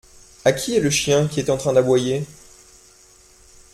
À qui est le chien qui est en train d’aboyer ?